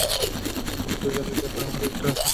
দুজনের জন্য আরও একটা করে ড্রিঙ্ক বাকি আছে।